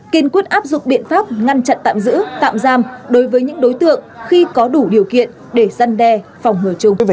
kiên quyết áp dụng biện pháp ngăn chặn tạm giữ tạm giam đối với những đối tượng khi có đủ điều kiện để gian đe phòng ngừa chung